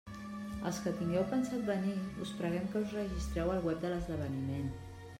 Els que tingueu pensat venir us preguem que us registreu al web de l'esdeveniment.